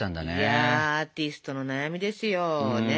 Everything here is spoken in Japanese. アーティストの悩みですよ。